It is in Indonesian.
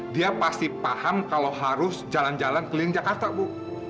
dia pasti paham kalau harus jalan jalan keliling jakarta bu